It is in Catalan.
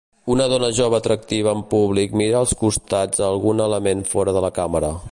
Una dona jove atractiva en públic mira als costats a algun element fora de la càmera.